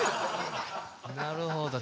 なるほど。